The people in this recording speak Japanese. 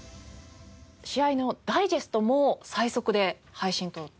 試合のダイジェストも最速で配信となるんですか？